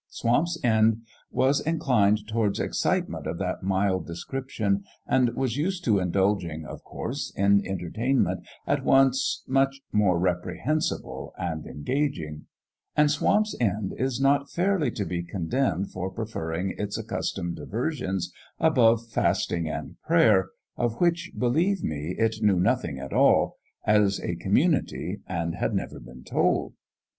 Swamp's End was inclined towards excitement of that mild description, and was used to indulging, of course, in entertainment at once much more reprehensible and engaging; and Swamp's End is not fairly to be condemned for preferring its accustomed diversions above fast ing and prayer, of which, believe me, it knew nothing at all, as a community, and had never been told.